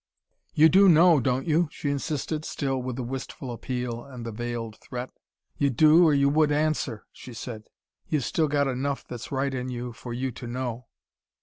"You do know, don't you?" she insisted, still with the wistful appeal, and the veiled threat. "You do, or you would answer," she said. "You've still got enough that's right in you, for you to know."